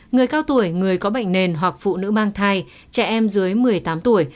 người cao tuổi người có bệnh nền hoặc phụ nữ mang thai trẻ em dưới một mươi tám tuổi